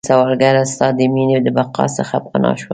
زه سوالګره ستا د میینې، د بقا څخه پناه شوم